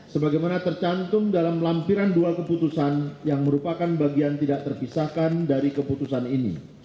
sebagaimana tercantum dalam lampiran dua keputusan yang merupakan bagian tidak terpisahkan dari keputusan ini